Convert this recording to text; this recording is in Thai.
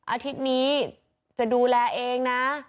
อาทิตย์นี้จะดูแลเองนะ